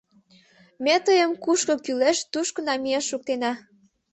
— Ме тыйым кушко кӱлеш, тушко намиен шуктена...